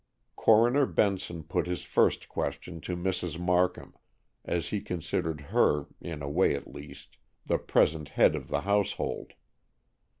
Coroner Benson put his first question to Mrs. Markham, as he considered her, in a way at least, the present head of the household.